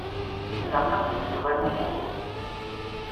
Llaq ad d-tefkeḍ agmuḍ.